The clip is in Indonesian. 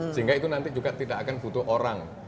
sehingga itu nanti juga tidak akan butuh orang